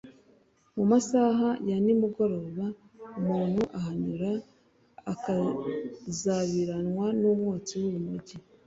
mu masaha ya nimugoroba umuntu ahanyura akazabiranwa n’umwotsi w’urumogi